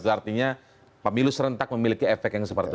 artinya pemilu serentak memiliki efek yang seperti itu